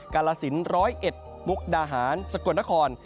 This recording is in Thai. กาลสินร้อยเอ็ดมุกดาหารสะกดนคร